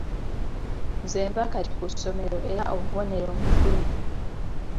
Nze nva kati ku ssomero era obubonero mbufunye.